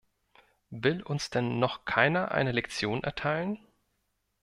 Will uns denn noch keiner eine Lektion erteilen!